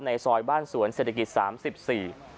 ซอยบ้านสวนเศรษฐกิจสามสิบสี่